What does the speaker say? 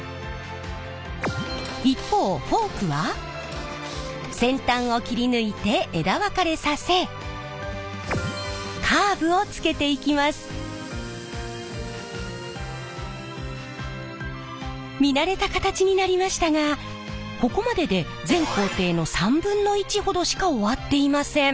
一方フォークは先端を切り抜いて見慣れた形になりましたがここまでで全工程の３分の１ほどしか終わっていません。